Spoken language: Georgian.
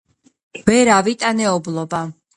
ვერ ავიტანე ობლიბა